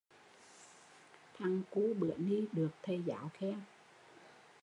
Thằng cu bữa ni được thầy giáo khen